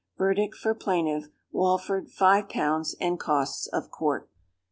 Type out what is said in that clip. "Verdict for plaintiff, Walford, five pounds, and costs of court."